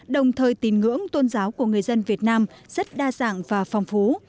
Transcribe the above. đồng thời tín ngưỡng tôn giáo của người dân việt nam rất đa dạng và phong phú